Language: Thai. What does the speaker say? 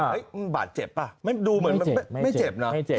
เอ้ยมึงบาดเจ็บป่ะไม่ดูเหมือนไม่เจ็บไม่เจ็บไม่เจ็บ